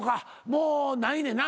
もうないねんな？